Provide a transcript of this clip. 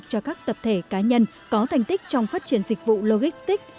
cho các tập thể cá nhân có thành tích trong phát triển dịch vụ logistics